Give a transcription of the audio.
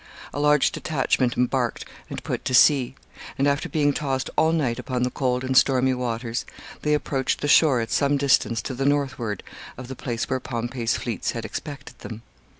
A large detachment embarked and put to sea, and, after being tossed all night upon the cold and stormy waters, they approached the shore at some distance to the northward of the place where Pompey's fleets had expected them.